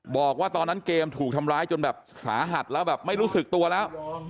บอกว่าตอนนั้นเกมถูกทำร้ายจนแบบสาหัสแล้วแบบไม่รู้สึกตัวแล้ว